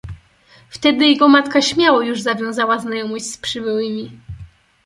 Wtedy jego matka śmiało już zawiązała znajomość z przybyłymi.